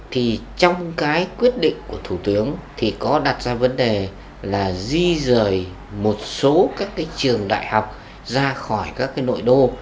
thì trong cái quyết định của thủ tướng thì có đặt ra vấn đề là di rời một số các cái trường đại học ra khỏi các cái nội đô